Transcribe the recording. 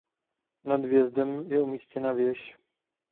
Nad vjezdem je umístěna věž.